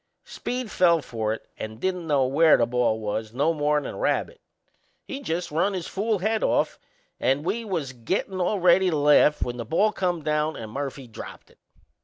Speed fell for it and didn't know where the ball was no more'n a rabbit; he just run his fool head off and we was gettin' all ready to laugh when the ball come down and Murphy dropped it!